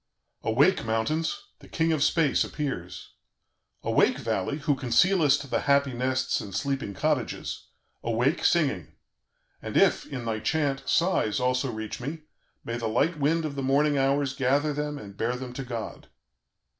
"Awake, mountains! The king of space appears! "Awake, valley! who concealest the happy nests and sleeping cottages; awake, singing. And if, in thy chant, sighs also reach me, may the light wind of the morning hours gather them and bear them to God.